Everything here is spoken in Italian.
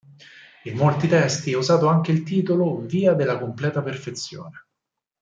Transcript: In molti testi è usato anche il titolo "via della completa perfezione".